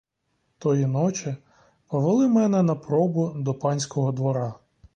Тої ночі повели мене на пробу до панського двора.